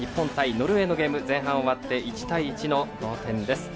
ノルウェーのゲーム前半終わって１対１の同点です。